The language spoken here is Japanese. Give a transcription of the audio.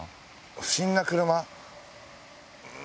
不審な車？